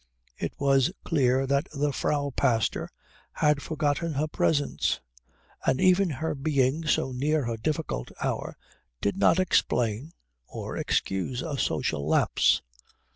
It was clear the Frau Pastor had forgotten her presence; and even her being so near her Difficult Hour did not explain or excuse a social lapse.